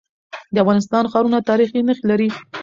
د افغانستان ښارونه تاریخي نښي لري.